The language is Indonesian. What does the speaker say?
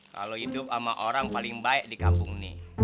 kalau hidup sama orang paling baik di kampung ini